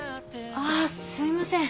あぁすみません。